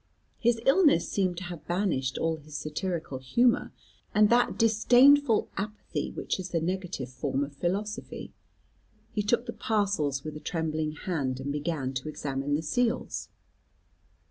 His illness seemed to have banished all his satirical humour, and that disdainful apathy which is the negative form of philosophy. He took the parcels with a trembling hand, and began to examine the seals.